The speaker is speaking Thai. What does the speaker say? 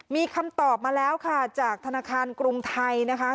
มีคำตอบมาแล้วค่ะจากธนาคารกรุงไทยนะคะ